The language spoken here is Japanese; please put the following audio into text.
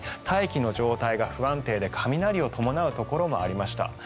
大気の状態が不安定で雷を伴うところもありました。